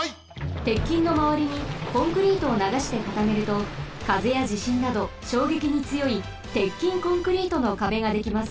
鉄筋のまわりにコンクリートをながしてかためるとかぜやじしんなどしょうげきにつよい鉄筋コンクリートの壁ができます。